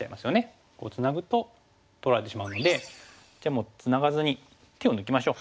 こうツナぐと取られてしまうのでじゃあもうツナがずに手を抜きましょう。